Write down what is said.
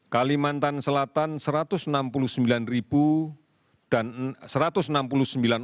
kalimantan selatan satu ratus enam puluh sembilan dan satu ratus empat belas